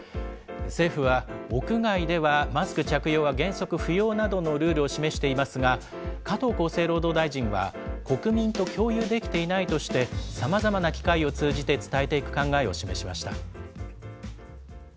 政府は、屋外ではマスク着用は原則不要などのルールを示していますが、加藤厚生労働大臣は、国民と共有できていないとして、さまざまな機会を通じて伝えていく考えを示しました。